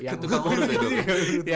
ke tukang urut ya dok ya